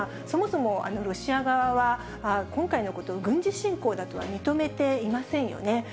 そもそもロシア側は、今回のことを軍事侵攻だとは認めていませんよね。